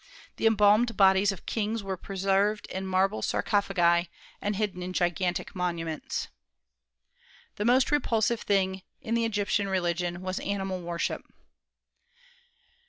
The embalmed bodies of kings were preserved in marble sarcophagi, and hidden in gigantic monuments. The most repulsive thing in the Egyptian religion was animal worship.